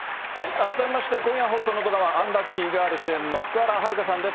改めまして、今夜放送のドラマ、アンラッキーガール！主演の福原遥さんです。